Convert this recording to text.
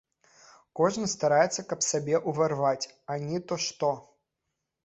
Кожны стараецца, каб сабе ўварваць, а ні то што!